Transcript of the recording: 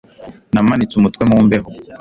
Namanitse umutwe mu mbeho